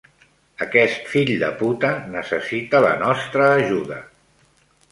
Aquest fill de puta necessita la nostra ajuda.